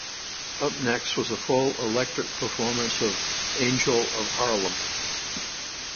Up next was a full electric performance of "Angel of Harlem".